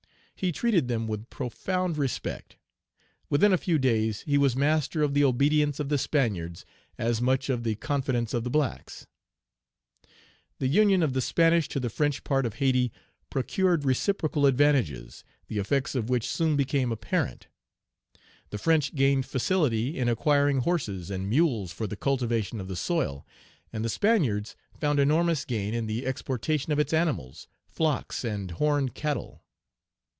He treated them with profound respect. Within a few days he was master of the obedience of the Spaniards as much as of the confidence of the blacks. Page 127 The union of the Spanish to the French part of Hayti procured reciprocal advantages, the effects of which soon became apparent. The French gained facility in acquiring horses and mules for the cultivation of the soil, and the Spaniards found enormous gain in the exportation of its animals, flocks, and horned cattle.